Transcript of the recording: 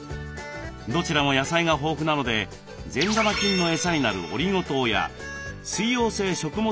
どちらも野菜が豊富なので善玉菌のエサになるオリゴ糖や水溶性食物